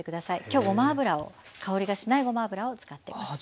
今日ごま油を香りがしないごま油を使っています。